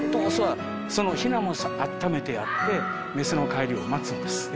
雄はそのひなもあっためてやって雌の帰りを待つんです。